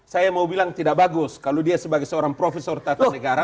saya mau bilang tidak bagus kalau dia sebagai seorang profesor tata negara